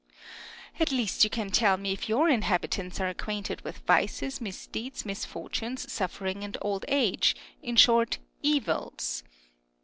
Earth. At least, you can tell me if your, inhabitants are acquainted with vices, misdeeds, misfortunes, suffer ing, and old age ; in short, evils